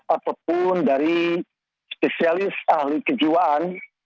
ataupun dari spesialis ahli kejiwaan